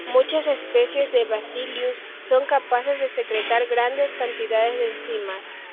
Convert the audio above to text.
Muchas especies de "Bacillus" son capaces de secretar grandes cantidades de enzimas.